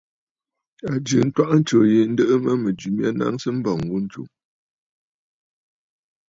A jɨ ntwaʼa ntsǔ yi, ǹdɨʼɨ nɨ mə mɨ̀jɨ mya naŋsə nlìì ghu ntsù.